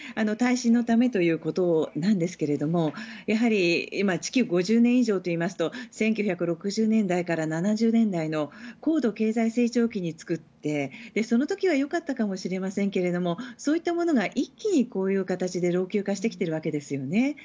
耐震のためということなんですけれどもやはり築５０年以上といいますと１９６０年代から７０年代の高度経済成長期に作ってその時はよかったかもしれませんけれどもそういったものが一気にこういう形で老朽化してきているわけですね。